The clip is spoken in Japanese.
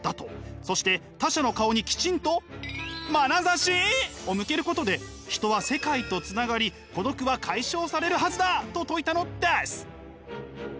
そして他者の顔にきちんとまなざし！を向けることで人は世界とつながり孤独は解消されるはずだと説いたのです！